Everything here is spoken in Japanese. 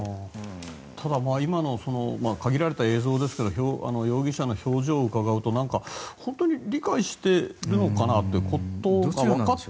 ただ今の限られた映像ですけど容疑者の表情をうかがうと本当に理解しているのかなって。